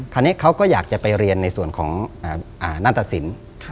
คราวนี้เขาก็อยากจะไปเรียนในส่วนของนัตตสิน